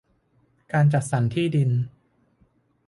การจัดสรรที่ดิน